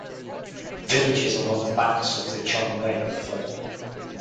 Villages along the banks of Qiong Lake were flooded.